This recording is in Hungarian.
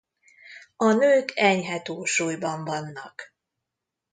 A nők enyhe túlsúlyban vannak.